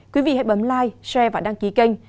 quý vị hãy bấm like share và đăng ký kênh